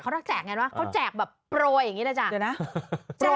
เขาต้องแจกอย่างไรนะเขาแจกแบบโปรยอย่างนี้แหละจ้ะ